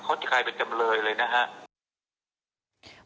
เขาจะกลายเป็นจำเลยเลยนะฮะ